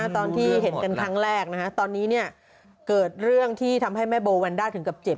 ตอนที่เห็นกันครั้งแรกตอนนี้เกิดเรื่องที่ทำให้แม่โบแวนด้าถึงกับเจ็บ